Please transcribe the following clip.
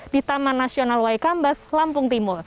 di taman nasional waikambas lampung timur